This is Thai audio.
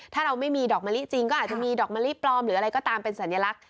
ถ้าเราไม่มีดอกมะลิจริงก็อาจจะมีดอกมะลิปลอมหรืออะไรก็ตามเป็นสัญลักษณ